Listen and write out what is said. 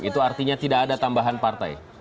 itu artinya tidak ada tambahan partai